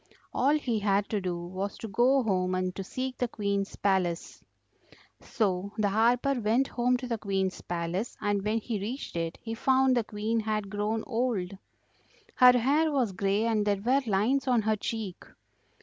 All he had to do was to go home and to seek the Queen's palace. So the harper went home to the Queen's palace, and when he reached it he found the Queen had grown old; her hair was grey and there were lines on her cheek.